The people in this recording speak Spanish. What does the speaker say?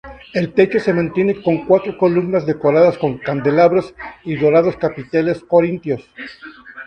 El techo se mantiene con cuatro columnas decoradas con candelabros y dorados capiteles corintios.